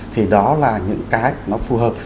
thì đó là những cái nó phù hợp